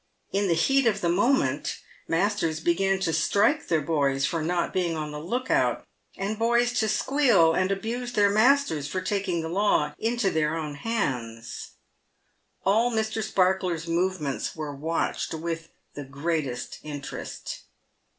In the heat of the moment, masters began to strike their boys for not being on the look out, and boys to squeal and abuse their masters for taking the law into their own hands. All Mr. Sparkler's movements were watched with the greatest interest.